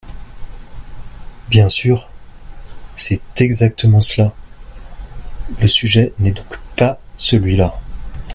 Bien sûr ! C’est exactement cela ! Le sujet n’est donc pas celui-là.